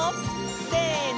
せの！